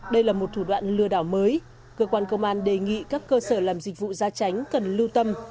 đây là một thủ đoạn lừa đảo mới cơ quan công an đề nghị các cơ sở làm dịch vụ gia tránh cần lưu tâm